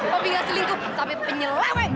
papi gak selingkuh sampe penyeleweng